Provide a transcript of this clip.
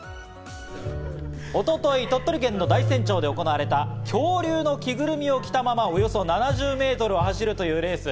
一昨日、鳥取県大山町で行われた、恐竜の着ぐるみを着たまま、およそ７０ｍ走るというです。